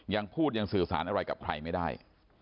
ยังพูดยังสื่อสารอะไรกับใครไม่ได้